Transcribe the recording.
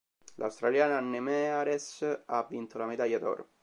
L'australiana Anna Meares ha vinto la medaglia d'oro.